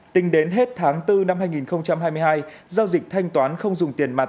tính đến hết tháng bốn năm hai nghìn hai mươi hai giao dịch thanh toán không dùng tiền mặt